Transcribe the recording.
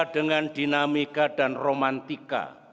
dengan dinamika dan romantika